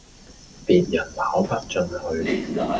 別人跑不進去